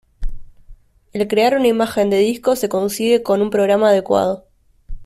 El crear una imagen de disco se consigue con un programa adecuado.